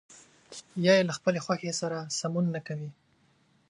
یا يې له خپلې خوښې سره سمون نه کوي.